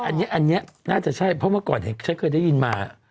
อันนี้น่าจะใช่เพราะเมื่อก่อนเห็นฉันเคยได้ยินมา